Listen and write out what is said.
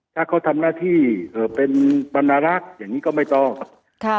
ถ้าเขาทำหน้าที่เอ่อเป็นบรรณรักษ์อย่างนี้ก็ไม่ต้องค่ะ